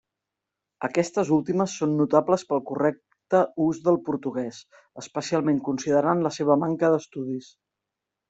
Aquestes últimes són notables pel correcte ús del portuguès, especialment considerant la seva manca d'estudis.